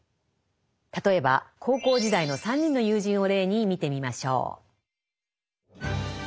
例えば高校時代の３人の友人を例に見てみましょう。